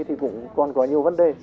thì cũng còn có nhiều vấn đề